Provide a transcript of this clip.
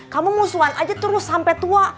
kamu musuhan aja terus sampai tua